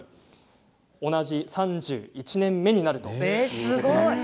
同じ３１年目になるということなんです。